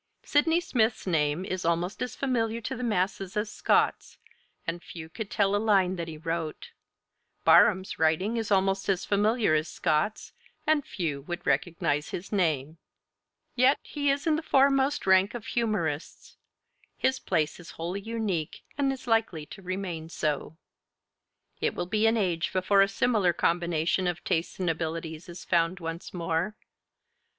Sydney Smith's name is almost as familiar to the masses as Scott's, and few could tell a line that he wrote; Barham's writing is almost as familiar as Scott's, and few would recognize his name. Yet he is in the foremost rank of humorists; his place is wholly unique, and is likely to remain so. It will be an age before a similar combination of tastes and abilities is found once more.